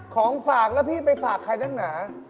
ของฝากแล้วพี่ไปฝากใครนักหนา